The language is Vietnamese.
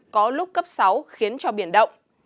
có lúc cấp sáu khiến cho biển động